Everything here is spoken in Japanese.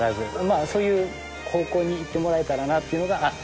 まあそういう方向にいってもらえたらなっていうのが。